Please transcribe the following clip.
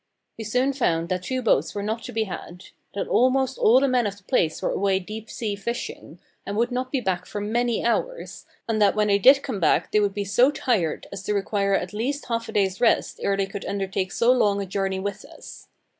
We soon found that two boats were not to be had; that almost all the men of the place were away deep sea fishing, and would not be back for many hours, and that when they did come back they would be so tired as to require at least half a day's rest ere they could undertake so long a journey with us.